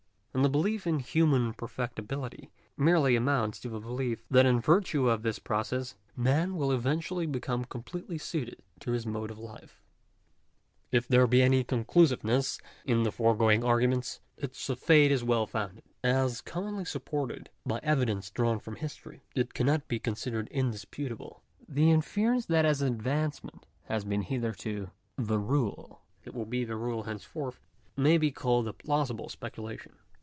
And the belief in human perfectibility, merely amounts to the belief, that in virtue of this process, man will , eventually become completely suited to his mode of life. ^§ 4. /[f there be any conclusiveness in the foregoing arguments, ich a faith is well founded. As commonly supported by evi Digitized by VjOOQIC G4 THE EVANESCENCE OF EVIL. dence drawn from history, it cannot be considered indisputable. The inference that as advancement has been hitherto the rule, it will be the rule henceforth, may be called a plausible specu lation.